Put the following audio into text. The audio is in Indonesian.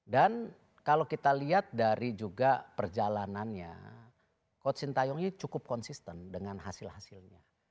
dan kalau kita lihat dari juga perjalanannya coach sti ini cukup konsisten dengan hasil hasilnya